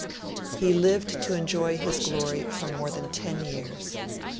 He lived to enjoy his glory for more than ten years.